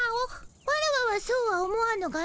ワラワはそうは思わぬがの。